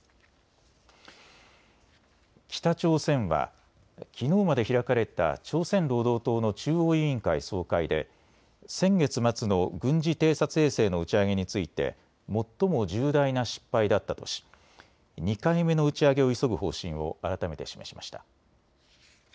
北朝鮮はきのうまで開かれた朝鮮労働党の中央委員会総会で先月末の軍事偵察衛星の打ち上げについて最も重大な失敗だったとし２回目の打ち上げを急ぐ方針を改めて示しました。